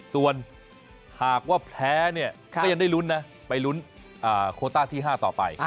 ส่วนหากว่าแพ้เนี่ยก็ยังได้ลุ้นนะไปลุ้นโคต้าที่๕ต่อไป